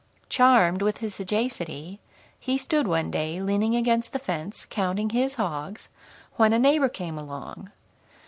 Charmed with his sagacity, he stood one day leaning against the fence, counting his hogs, when a neighbor came along.